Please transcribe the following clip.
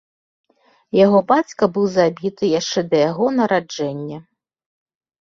Яго бацька быў забіты яшчэ да яго нараджэння.